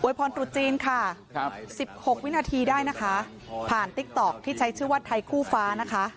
ในเทศกาลจีนเฉินที่๑๖วินาทีได้ผ่านที่ใช้ชื่อไทยครูฟ้า